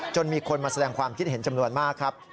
มีคนมาแสดงความคิดเห็นจำนวนมากครับ